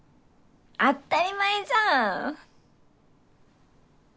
当ったり前じゃん！